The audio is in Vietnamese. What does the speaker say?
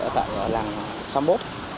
ở tại làng sáu mốt